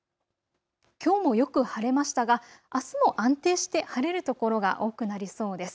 きょうもよく晴れましたがあすも安定して晴れる所が多くなりそうです。